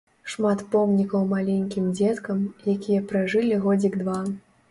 Шмат помнікаў маленькім дзеткам, якія пражылі годзік, два.